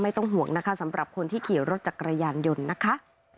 ไม่ต้องห่วงนะคะสำหรับคนที่ขี่รถจักรยานยนต์นะคะ